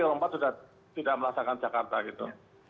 lompat sudah tidak merasakan jakarta gitu